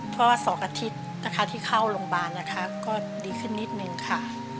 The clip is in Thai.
พ่อสองอาทิตย์แต่ที่เข้าโรงพยาบาลก็ดีขึ้นนิดนึงค่ะ